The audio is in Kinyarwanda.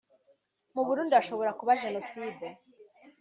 mu Burundi hashobora kuba Jenoside